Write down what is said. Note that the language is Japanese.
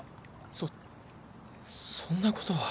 そそんなことは。